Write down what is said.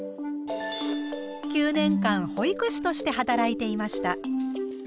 ９年間保育士として働いていました。